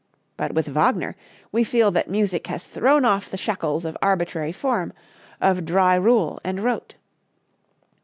But with Wagner we feel that music has thrown off the shackles of arbitrary form, of dry rule and rote.